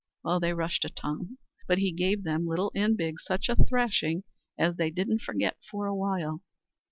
Well, they rushed at Tom, but he gave them, little and big, such a thrashing as they didn't forget for a while.